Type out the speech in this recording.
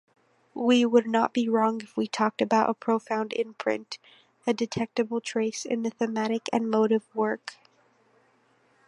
We would not be wrong if we talked about a profound imprint, a detectable trace in the thematic and motive work.